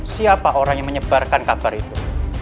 siapa orang yang menyebarkan kabar itu